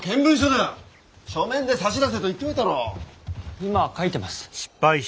今書いてます。